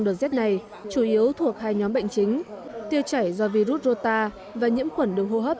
đợt rét này chủ yếu thuộc hai nhóm bệnh chính tiêu chảy do virus rota và nhiễm khuẩn đường hô hấp